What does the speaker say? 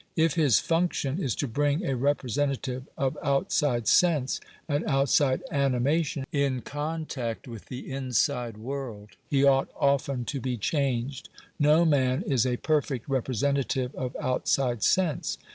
If his function is to bring a representative of outside sense and outside animation in contact with the inside world, he ought often to be changed. No man is a perfect representative of outside sense.